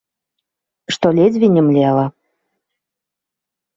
Што ледзьве не млела.